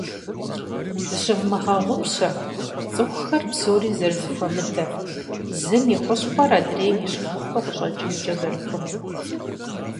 Зыщывмыгъэгъупщэ цӀыхухэр псори зэрызэхуэмыдэр, зым и хущхъуэр адрейм и щхъухьу къыщӀэкӀынкӀэ зэрыхъунур.